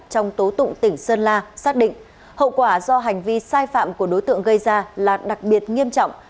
trong tố tụng tỉnh sơn la xác định hậu quả do hành vi sai phạm của đối tượng gây ra là đặc biệt nghiêm trọng